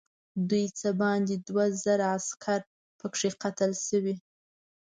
دوی څه باندې دوه زره عسکر پکې قتل شوي.